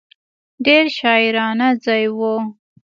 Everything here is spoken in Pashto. ډېر شاعرانه ځای و.